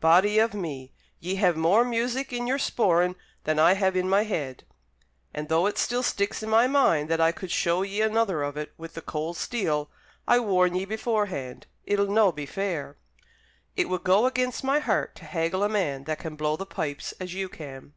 Body of me! ye have more music in your sporran than I have in my head! And, though it still sticks in my mind that I could show ye another of it with the cold steel, I warn ye beforehand it'll no be fair! It would go against my heart to haggle a man that can blow the pipes as you can!"